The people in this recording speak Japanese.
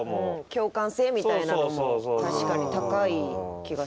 共感性みたいなのも確かに高い気がしますね。